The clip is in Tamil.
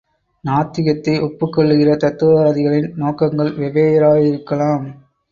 நாத்திகத்தை ஒப்புக்கொள்கிற தத்துவவாதிகளின் நோக்கங்கள் வெவ்வேறாயிருக்கலாம்.